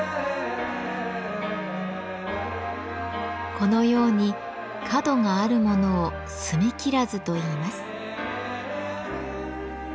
このように角があるものを「角切らず」といいます。